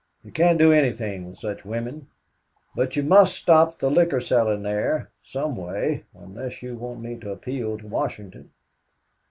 You can't do anything with such women. But you must stop the liquor selling there some way unless you want me to appeal to Washington."